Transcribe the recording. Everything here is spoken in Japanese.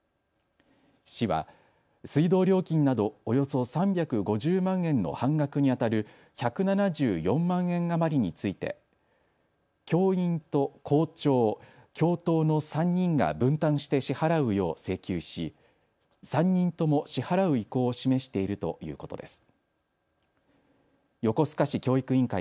市は水道料金などおよそ３５０万円の半額にあたる１７４万円余りについて教員と校長、教頭の３人が分担して支払うよう請求し３人とも支払う意向を示しているということです。